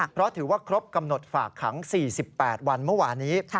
เพราะถือว่าครบกำหนดฝากขัง๔๘วันเมื่อวานนี้